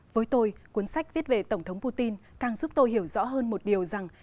với tôi cuốn sách viết về tổng thống putin càng giúp tôi hiểu rõ hơn một điều rằng